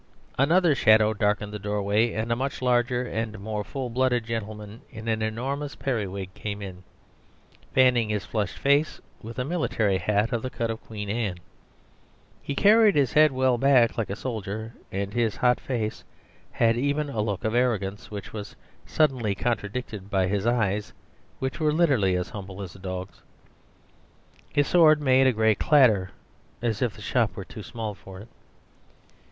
..... Another shadow darkened the doorway, and a much larger and more full blooded gentleman in an enormous periwig came in, fanning his flushed face with a military hat of the cut of Queen Anne. He carried his head well back like a soldier, and his hot face had even a look of arrogance, which was suddenly contradicted by his eyes, which were literally as humble as a dog's. His sword made a great clatter, as if the shop were too small for it.